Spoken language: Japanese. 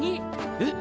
えっ！？